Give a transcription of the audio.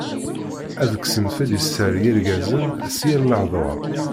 Ad kksen fell-i sser yirgazen s yir lehḍur.